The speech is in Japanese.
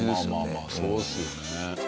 まあまあそうですよね。